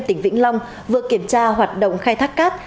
tỉnh vĩnh long vừa kiểm tra hoạt động khai thác cát